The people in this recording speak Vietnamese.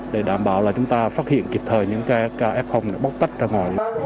để đảm bảo là chúng ta phát hiện kịp thời những ca f bóc tách ra ngoài